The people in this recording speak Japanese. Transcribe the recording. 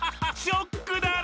ショックだろ！？